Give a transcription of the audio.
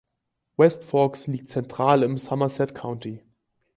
West Forks liegt zentral im Somerset County.